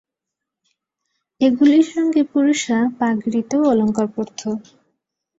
এগুলির সঙ্গে পুরুষরা পাগড়িতেও অলঙ্কার পরত।